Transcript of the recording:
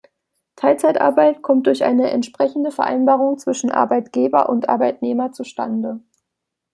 Teilzeitarbeit kommt durch eine entsprechende Vereinbarung zwischen Arbeitgeber und Arbeitnehmer zustande.